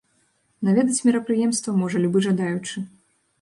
Наведаць мерапрыемства можа любы жадаючы.